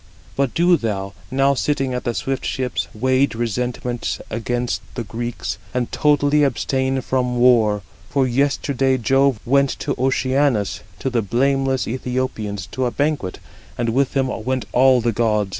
But do thou, now sitting at the swift ships, wage resentment against the Greeks, and totally abstain from war. For yesterday Jove went to Oceanus, 50 to the blameless Æthiopians, to a banquet, and with him went all the gods.